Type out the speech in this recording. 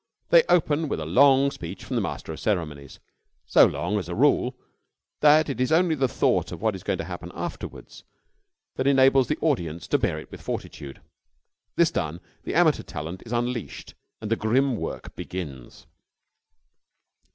They open with a long speech from the master of the ceremonies so long, as a rule, that it is only the thought of what is going to happen afterwards that enables the audience to bear it with fortitude. This done, the amateur talent is unleashed, and the grim work begins.